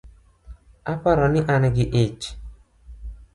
Aparo ni an gi ich